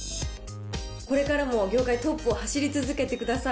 これからも業界トップを走り続けてください。